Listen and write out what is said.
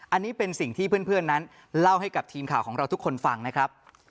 อันนี้เป็นสิ่งที่เพื่อนนั้นเล่าให้กับทีมข่าวของเราทุกคนฟังนะครับ